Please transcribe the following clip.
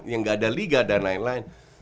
yang gak ada liga dan lain lain